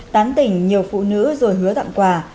tán tỉnh nhiều phụ nữ rồi hứa tặng quà